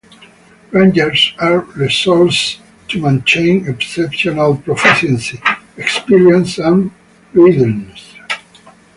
Rangers are resourced to maintain exceptional proficiency, experience and readiness.